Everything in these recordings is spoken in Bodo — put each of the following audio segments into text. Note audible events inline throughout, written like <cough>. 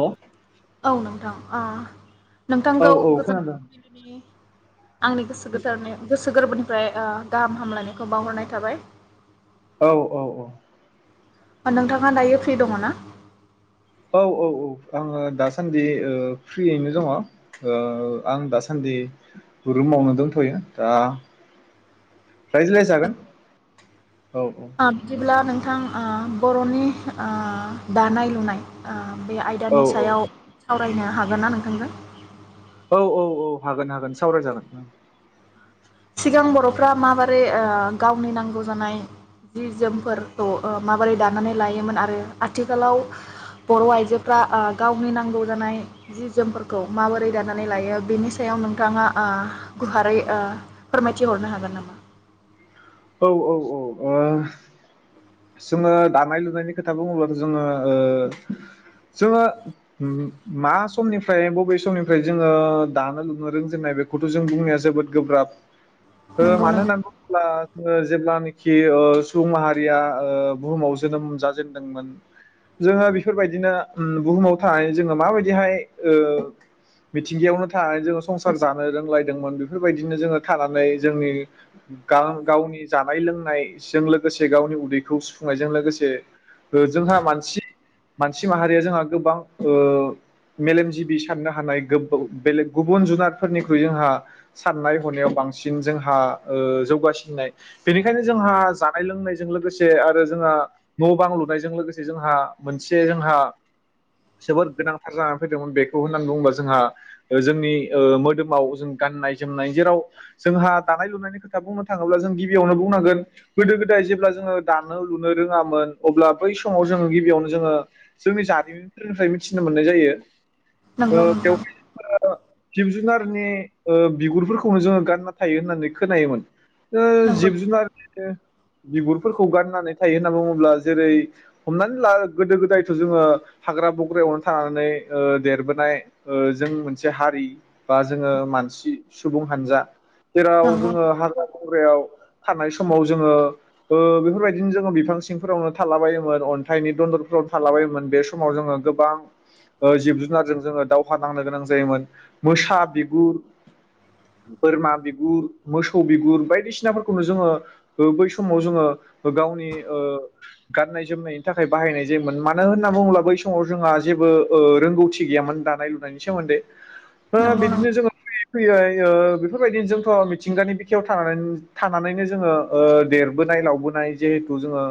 औ औ नोंथां। आ औ नोंथांखौ औ गोजोन खोनादों फुबिलिनि आंनि गोसो गोथारनि गोसो गोरबोनि ओमफ्राय उह गाहाम हामलायनायखौ बावहरनाय थाबाय। औ औ औ। नोंथांङा दायो फ्रि दङ ना? औ औ औ आंङो दासान्दि उह फ्रियैनो दङ उह आं दासान्दि रुमावनो दोनथ'यो दा रायज्लाय जागोन। आ बिदिब्ला नों थां उह बर'नि उह दानाय लुनाय उह बे औ आयदानि सायाव सावरायनो हागोन ना नोंथांजों? औ औ औ हागोन हागोन सावरायजागोन। सिगां बर'फ्रा माबोरै उह गावनि नांगौ जानाय जि जोमफोरखौ उह माबोरै दानानै लायोमोन आरो आथिखालाव बर'आइजोफ्रा उह गावनि नांगौ जानाय जि जोमफोरखौ माबोरै दानानै लायो बेनि सायाव नोंथांङा उह गुवारै उह फोरमायथिहरनो हागोन नामा? औ औ औ उह जोंङो दानाय लुनायनि खोथा बुंङोबाथ' जोंङो उह जोंङो मा समनिफ्राय बबे समनिफ्राय जोंङो दानो लुनो रोंजेननाय बेखौथ' जों बुंनाया जोबोद गोब्राब। हो नंगौ नों मानो होननानै बुंङोब्ला उह जेब्लानिखि उह सुबुं माहारिया उह बुहुमाव जोनोम जाजेनदोंमोन जोंङो बिफोरबायदिनो उम बुहुमाव थानानै जोंङो माबायदिहाय उह मिथिंगायावनो थानानै जोंङो संसार जानो रोंलायदोंमोन बिफोरबायदिनो जोंङो थानानै जोंनि गां गावनि जानाय लोंनायजों लोगोसे गावनि उदैखौ सुफुंनायजों लोगोसे उह जोंहा मानसि मानसि माहारिया जोंहा गोबां उह मेलेमजिबि साननो हानाय गोबौ बेलेग गुबुन जुनारफोरनिख्रुइ जोंहा साननाय हनायाव बांसिन जोंहा उह जौगासिन नाय बेनिखायनो जोंहा जानाय लोंनायजों लोगोसे आरो जोंहा न' बां लुनायजों लोगोसे जोंहा मोनसे जोंहा जोबोद गोनांथार जानानै फैदोंमोन बेखौ होननान बुंङोबा जोंहा जोंनि उह मोदोमाव जों गाननाय जोमनाय जेराव जोंहा दानाय लुनायनि खोथा बुंङो थांङोब्ला जों गिबियावनो बुंनांगोन गोदो गोदाय जेब्ला जोंङो दानो लुनो रोंङामोन अब्ला बै समाव जोंङो गिबियावनो जोंङो जोंनि जारिमिनफोरनिफ्राय मिथिनो मोननाय जायो ओ नंगौ नोंथां बेवबि ओ जिब जुनारनि उह बिगुरफोरखौनो जोंङो गानना थायो होननानै खोनायोमोन। उह नंगौ जिब जुनारनिनो बिगुरफोरखौ गाननानै थायो होनना बुंङोब्ला जेरै हमनानै ला गोदो गोदायथ' जोंङो हाग्रा बग्रायावनो थानानै उह देरबोनाय उह जों मोनसे हारि बा जोंङो मानसि सुबुं हानजा। जेराव नंगौ जोंङो हाग्रा बंग्रायाव थानाय समाव जोंङो उह बेफोरबायदिनो जोंङो बिफां सिंफोरावनो थाला बायोमोन अन्थाइनि दन्दरफोरावनो थालाबायोमोन बे समाव जोंङो गोबां उह जिब जुनारजों जोंङो दावहा नांनो गोनां जायोमोन मोसा बिगुर बोरमा बिगुर मोसौ बिगुर बायदिसिनाफोरखौनो जोंङो उह बै समाव जोंङो गावनि उह गाननाय जोमनायनि थाखाय बाहायनाय जायोमोन मानो होनना बुंङोब्ला बै समाव जोंहा जेबो उह रोंगौथि गैयामोन दानाय लुनायनि सोमोन्दै। हो नंगौ नों बिदिनो जोंङो फैयै फैबाय उह बेफोरबायदिनो जोंथ' मिथिंगानि बिखायाव थानानोन-थानानैनो जोंङो उह देरबोनाय लावबोनाय जेखौ जोंङो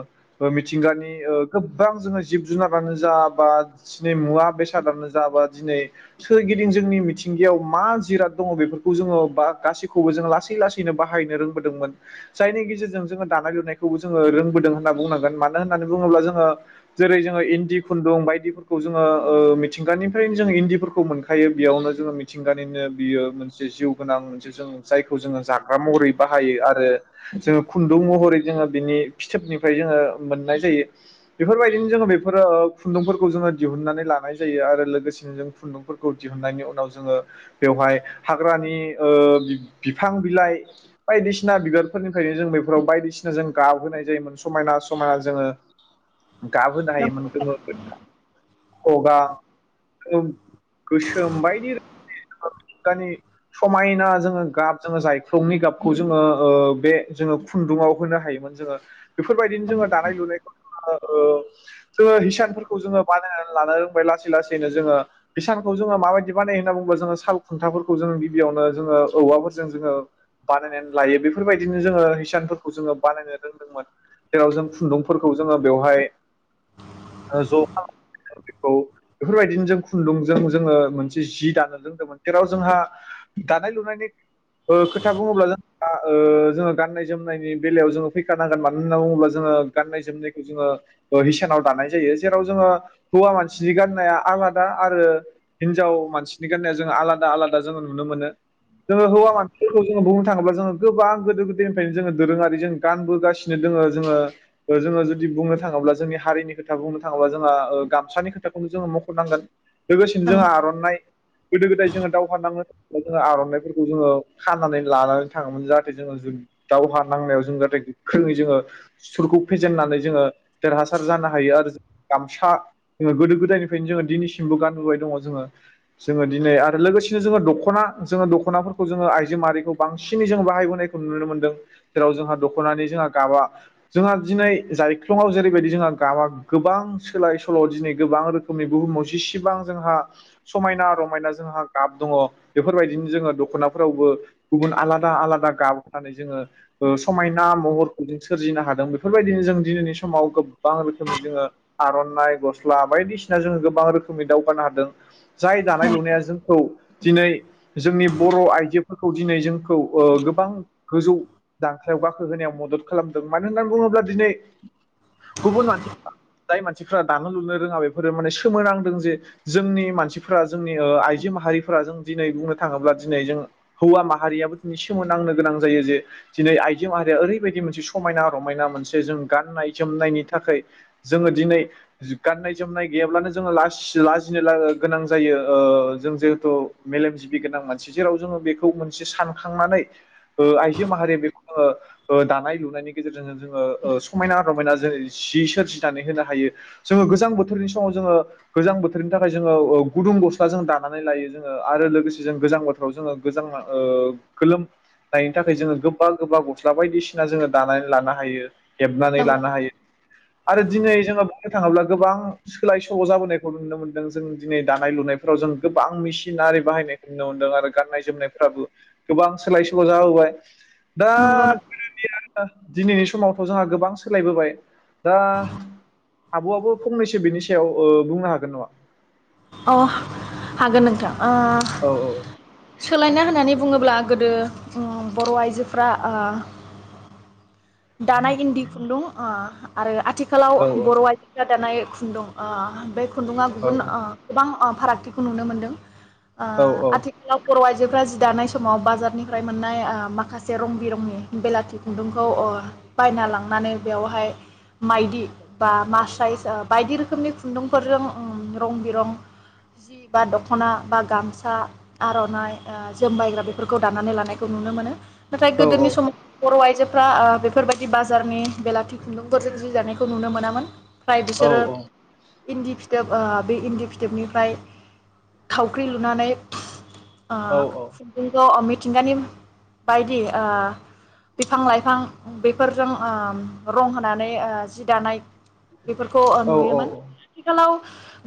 उह मिथिंगानि उह गोबां जोंङो जिब जुनारानो जा बा दिनै मुवा बेसादानो जा बा दिनै सोरगिदिं जोंनि मिथिंगायाव मा जिराद दङ बेफोरखौ जोंङो बा गासैखौबो जोंङो लासै लासै यैनो बाहायनो रोंबोदोंमोन जायनि गेजेरजों जोंङो दानाय लुनायखौबो जोंङो रोंबोदों होन्ना बुंनांगोन मानो होननानै बुंङोब्ला जोंङो जेरै जोंङो इन्दि खुन्दुं बायदिफोरखौ जोंङो उह मिथिंगानिफ्रायन जों इन्दिफोरखौ मोनखायो बेयावनो जोंङो मिथिंगानिनो बियो मोनसे जिउ गोनां मोनसे जों जायखौ जोंङो जा ग्रा महरै बाहायो आरो जोंङो खुन्दुं महरै जोंङो बिनि फिथोबनिफ्राय जोंङो मोननाय जायो बिफोरबायदिनो जोंङो बेफोरो उह खुन्दुंफोरखौ जोंङो दिहुनन्नानै लानाय जायो आरो लोगोसेनो जों खुन्दुंफोरखौ दिहुननायनि उनाव जोंङो बेवहाय हाग्रानि उह बि-बिफां बिलाइ बायदिसिना बिबारफोरनिफ्रायनो जों बेफोराव बायदिसिना जों गाबहोनाय जायोमोन समायना समायना जोंङो दाबो नंगौ दायोमोन जोंङो फोथा खगा गोसोम बायदि रोखोमनि दानि समायना जोंङो गाब जोंङो जाय थंनि गाबखौ जोंङो उह बे जोंङो खुन्दुंङाव होनो हायोमोन जोंङो बेफोरबायदिनो नंगौ जोंङो दानाय लुनायखौ आ उह जोंङो हिसानफोरखौ जोंङो बानायनानै लानो रोंबाय लासै लासैनो जोंङो हिसानखौ जोंङो माबायदि बानायो होनना बुंङोबा जोंङो साल खुन्थाफोरखौ जोंङो गिबियावनो जोंङो औवाफोरजों जोंङो बानायनानै लायो बेफोरबायदिनो जोंङो हिसानफोरखौ जोंङो बानायनो रोंदोंमोन जेराव जों खुन्दुंफोरखौ जोंङो बेवहाय उह ज' <unintelligible> बेखौ बेफोरबायदिनो जों खुन्दुंजों जोंङो मोनसे जि दानो रोंदोंमोन जेराव जोंहा दानाय लुनायनि उह खो खोथा बुङोब्ला जों जोङो ओ- गाननाय जोमनायनि बेलायाव जोङो फैखानांगोन मानो होनना बुङोब्ला जोङो गान्नाय जोमनायखौ जोङो ओ-हिसानाव दानाय जायो जेराव जोङो हौवा मानसिनि गाननाया आलादा आरो हिनजाव मानसिनि गाननाया जोङो आलादा आलादा जोङो नुनो मोनो जोङो हौवा मान खौ जोङो बुंनो थाङोब्ला जोङो गोबां गोदो गोदायनिफ्रायनो जोङो दोरोङारि जों गानबो गासिनो दोङो जोङो जोङो जुदि बुंनो थाङोब्ला जोंनि हारिनि खोथा बुंनो थाङोबा जोंहा गामसानि खोथाखौनो जोङो मखनांगोन लोगोसेनो जों नंगौ आरनाइ गोदो गोदाय जोङो दावहा नांनो <inaudible> आरनाइफोरखौ जोङो खानानै लानानै थाङोमोन जाहाथे जोङो जों दावहा नांनायाव जों जाहाथे गोख्रोङै जोङो सुथुरखौ फेजेननानै जोङो देरहासार जानो हायो आरो गामसा जोङो गोदो गोदायनिफ्रायनो जोङो दिनैसिमबो गानबोबाय दङ जोङो जोङो दिनै आरो लोगोसेनो जोङो दखना जोङो दखनाफोरखौ जोङो आइ आमारिखौ बांसिनै जों बाहायबोनायखौ नुनो मोनदों जेराव जोंहा दखनानि जोंहा गाबा जोंहा दिनै जायख्लङाआव जेरैबायदि जोंहा गाबा गोबां सोलाय सोल दिनै गोबां रोखोमनि बुहुमाव जसेबां जोंहा समायना रमायना जोंहा गाब दङ बेफोरबायदिनो जोङो दखनाफोरावबो गुबुन आलादा आलादा गाब होनानै जोङो ओ- समायना महर जों सोरजिनो हादों बेफोरबायदिनो जों दिनैनि समाव गोबां रोखोमनि जोङो आरनाइ गस्ला बायदिसिना जोङो गोबां रोखोमनि दावगानो हादों जाय दानाय लुनाया जोंखौ दिनै जोंनि बर' आइजो दिनै जोंखौ ओ गोबां गोजौ दांख्लायाव गाखोहोनायाव मदद खालामदों मानो होननानै बुङोब्ला दिनै गुबुन मानसि जाय मानसिफ्रा दानो लुनो रोङा बेफोरो माने सोमोनांदों जे जोंनि मानसिफोरा जोंनि आइजो माहारिफोरा जों दिनै बुंनो थाङोब्ला दिनै जों हौवा माहारियाबो दिनै सोमोनोनांनो गोनां जायो जे दिनै आइजो माहारिया ओरैबायदि मोनसे समायना रमायना मोनसे जों गाननाय जोमनायनि थाखाय जोङो दिनै गाननाय जोमनाय गैयाब्लानो जोङो लासि ला लाजिनो गोनां जायो ओ जों जिहेथु मेलेमजिबि गोनां मानसि जेराव जोङो बेखौ खौ मोनसे सानखांनानै ओ-आइजो माहारिया बेखौ जोङो ओ-दानाय लुनायनि गेजेरजों जोङो समायना रमायना जों जि सोरजिनानै होनो हायो जोङो गोजां बोथोरनि समाव जोङो गोजां बोथोरनि थाखाय जोङो ओं गुदुं गस्ला जों दानानै लायो जोङो आरो लोगोसे जों गोजां बोथोराव जोङो गोजां ओ-गोलोमनायनि थाखाय जोङो गोबा गोबा गस्ला बायदिसिना जोङो दानानै लानो हायो हेबनानै लानो हायो आरो दिनै जोङो बुंनो थाङोब्ला गोबां सोलाय सोल जाबोनायखौ नुनो मोनदों जों दिनै दानाय लुनायफोराव जों गोबां मेसिनारि बाहायनायखौ नुनो मोनदों आरो गाननाय जोमनायफ्राबो गोबां सोलाय सोल जाबोबाय दा नंगौ नंगौ <inaudible> दिनैनि समावथ जोंहा गोबां सोलायबोबाय दा आबआबो फंनैसो बिनि सायाव ओ-बुंनो हागोन नङा अ हागोन नोंथां ओ औ सोलायना होननानै बुङोब्ला गोदो बर आइजोफ्रा ओ दानाय इन्दि खुन्दुं ओ आरो आथि खालाव औ बर आइजो दानाय खुन्दुं अ बे खुन्दुङा औ गुबुन अ बां अ-फारागथिखौ नुनो मोन्दों। आ औ आथिखालाव बर आ आइजोफ्रा जि दानाय समाव बाजारनिफ्राय मोननाय ओ-माखासे रं बिरंनि बेलाथि खुन्दुंखौ अ-बायना लांनानै बेवहाय माइदि बा मास्राइस ओ-बायदि रोखोमनि खुन्दुंफोरजों रं बिरं जि बा दखना बा गामसा आरनाइ ओ-जोमबायग्रा बेफोरखौ दानानानै लानायखौ नुनो मोनो नाथाय औ गोदोनि समाव बर आइजो फ्रा ओ-बेफोरबायाददि बाजारनि बेलाथि खुन्दुंफोरजों जि दानायखौ नुनो मोनामोन। फ्राय औ बिसोरो इन्दि फिथोब ओ बे इन्दि फि बनिफ्राय थावख्रि लुनानै। आ औ खुन्दुं द अमित मिथिंगानि बायदि ओ बिफां लाइफां बेफोरजों ओ रं होनानै ओ जि दानाय बेफोरखौ नुयोमोन आथिखालाव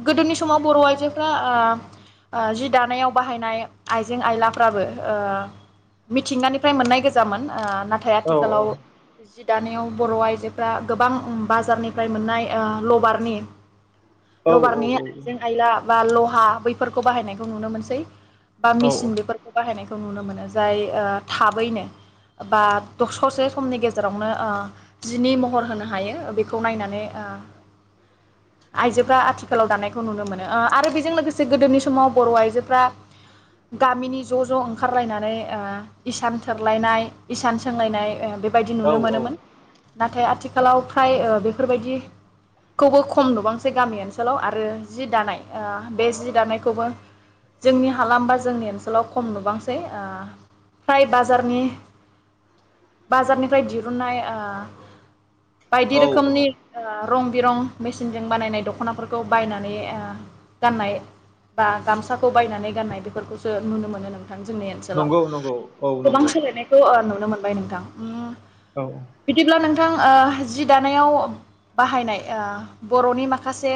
गोदोनि समाव बर' आइजोफ्रा ओ जि दानायाव बाहायनाय आइजें आयलाफ्राबो ओ मिथिंगानिफ्राय मोननाय गोजामोन ओ नाथाय आथिखालाव जि दानायाव बर' आयजोफ्रा गोबां बाजारनिफ्राय मोननाय ओ लबारनि औ औ औ औ ला बा लहा बैफोरखौ बाहायनायखौ नुनो मोनसै। बा मिसिन बेफोरखौ बाहायनाय खौ नुनो मोनो जाय ओ थाबैनो बा स'से समनि गेजेरावनो ओ जिनि महर होनो हायो बेखौ नायनानै ओ आइजोफोरा आथिखालाव दानाय खौ नुनो मोनो आरो बेजों लोगोसे गोदोनि समाव बर' आइजोफ्रा गामिनि ज' ज' ओंखारलायनानै ओ इसान थोरलायनाय इसान सोंलायनाय ओ बे बायदि औ नुनो मोनोमोन नाथाय आथिखालाव फ्राय बेफोरबायदिखौबो खम नुबांसै गामि ओनसोलाव आरो जि दानाय ओ बे जि दानायखौबो जोंनि हालाम बा जोंनि ओनसोलाव खम नुबांसै ओ फ्राय बारनि बाजारनिफ्राय दिरुननाय ओ बायदि औ रोखोमनि औ ओ रं बिरं मेसिनजों बानायनाय दख'नाफोरखौ बायनानै ओ गाननाय बा गामसाखौ बायनानै गाननाय बेफोरखौसो नुनो मोनो नो जोंनि ओनसोलाव नंगौ नंगौ औ गोबां नंगौ सोलायनायखौ ओ नुनो मोनो मोनबाय नोंथां। औ नों जि दानायाव बाहायनाय बर'नि माखासे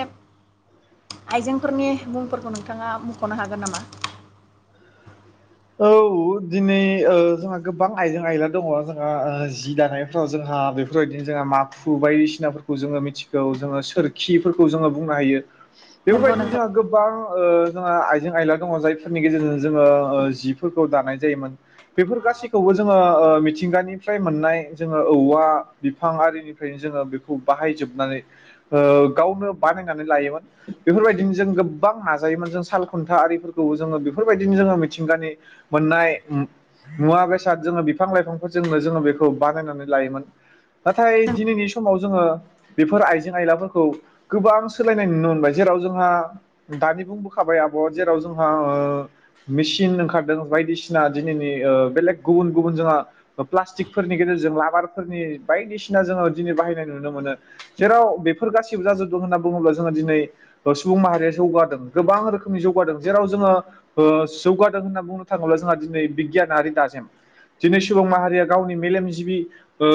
आइजेंफोरनि मुंफोरखौ नोंथाङा मख'नो हागोन नामा? औ दिनै ओ जोंहा गोबां आइजें आयला दङ जोंहा जि दानायफ्राव जोंहा बेफोरबायदिनो जोंहा माखु बायदिसिनाफोरखौ जोङो मिथिगौ जोङो सोरखिफोरखौ जोङो बुंनो हायो। नंगौ बेफोरबायदिनो नोंथां जोंहा गोबां ओ जोंहा आइजें आयला दङ जायफोरनि गेजेरजों जोङो ओ जिफोरखौ दानाय जायोमोन। बेफोर गासिखौबो जोङो ओ मिथिंगानिफ्राय मोननाय जोङो औवा बिफां आरिनिफ्राय जोङो बेखौ बाहायजोबनानै ओ गावनो बानायनानै लायोमोन। बेफोरबायदिनो जों गोबां नाजायोमोन जों साल खुन्था आरिफोरखौबो जोङो बेफोरबायदिनो जोङो मिथिंगानि मोननाय मु मुवा बेसाद जोङो बिफां लाइफांफोरजोंनो जोङो बेखौ बानायनानै लायोमोन। नाथाय दिनैनि समाव जोङो बेफोर आइजें आयलाफोरखौ गोबां सोलायनाय नुनो मोनबाय जेराव जोंहा दानि बुंबोखाबाय आब' जेराव जोंहा ओ मेसिन ओंखार दों बायदिसिना दिनैनि ओ बेलेग गुबुन गुबुन जोंहा ओ प्लाटिकफोरनि गेजेरजों लाबारफोरनि बायदिसिना जोङो दिनै बाहायनाय नुनो मोनो। जेराव बेफोर गासिब जाजोबदों होनना बुङोब्ला जोङो दिनै ओ सुबुं माहारिया जौगादों। गोबां रोखोमनि जौगादों जेराव जोङो ओ जौगादों होनना बुंंनो थाङोब्ला जोंहा दिनै बिगियानारि दाजेम दिनै सुबुं माहारिया गावनि मेलेमजिबि ओ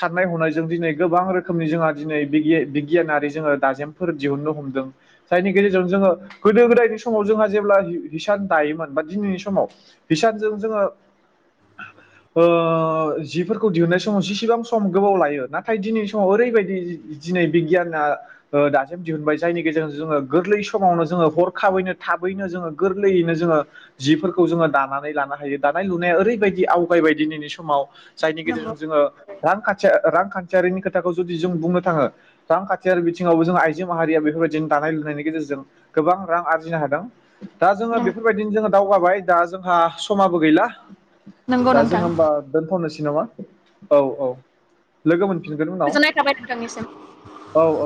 साननाय हनायजों दिनै गोबां रोखोमनि जोंहा दिनै बिगिए बिगियानारि जोङो दाजेमफोर दिहुनन्नो हमदों। जायनि गेजेरजों जोङो गोदो गोदायनि समाव जोंहा जेब्ला हि-हिसान दायोमोन बा दिनैनि समाव बिसानजों जोंङो ओ जिफोरखौ दिहुननाय समाव जिसिबां सम गोबाव लायो। नाथाय दिनैनि समाव ओरैबायदि जि दिनै बिगियाना ओ दाजेम दिहुनबाय जायनि गेजेर जोङो गोरलै समावनो जोङो हरखाबैनो थाबैनो जोङो गोरलैयैनो जोङो जिफोरख खौ जोङो दानानै लानो हायो। दानाय लुनाया ओरैबायदि आवगायबाय दिनैनि समाव जायनि नंगौ गेजेरजों जोङो रां खाथि आ रांखान्थियारिनि खोथाखौ जुदि जों बुंनो थाङो रांखान्थियारि बिथिङावबो जों आइजो माहारिया बेफोरबायदिनो दानाय लुनायनि गेजेरजों गोबां रां आरजिनो हादों। दा जोङो नंगौ बेफोर बायदिनो जोङो दावगाबाय। दा जोंहा समाबो गैला नंगौ दा जोङो नोंथां होमबा दोनथ'नोस नङा औ औ लोगो मोन गोजोननाय थाबाय नोंथांनिसिम। औ औ